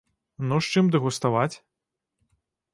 Ну з чым дэгуставаць?